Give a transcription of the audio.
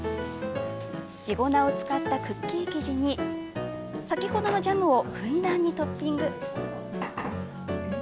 地粉を使ったクッキー生地に先ほどのジャムをふんだんにトッピング。